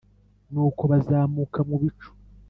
Nuko bazamuka mu bicu